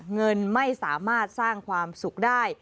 เงินไม่สามารถสร้างความสุขได้